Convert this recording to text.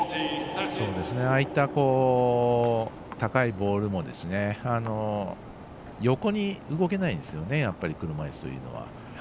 ああいった高いボールも横に動けないんですよね車いすというのは。